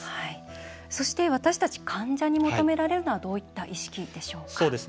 そして私たち患者に求められるのはどういった意識でしょうか？